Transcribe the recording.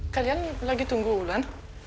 kalian lagi tunggu wulan